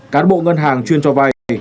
cán bộ ngân hàng chuyên cho vay